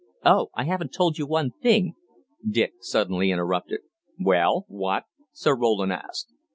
"Oh, I haven't told you one thing," Dick suddenly interrupted. "Well, what?" Sir Roland asked.